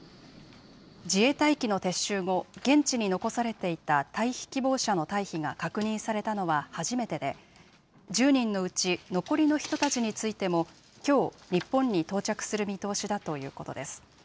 自衛隊機の撤収後、現地に残されていた退避希望者の退避が確認されたのは初めてで、１０人のうち残りの人たちについてもきょう、日本に到着する見通しだということです。